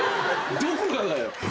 どこがだよ！